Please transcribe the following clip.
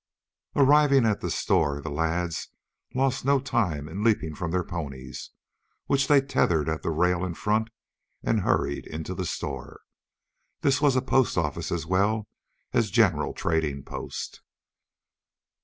Arriving at the store, the lads lost no time in leaping from their ponies, which they tethered at the rail in front, and hurried into the store. This was a postoffice as well as general trading post.